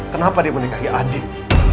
kenapa dia menikahi andin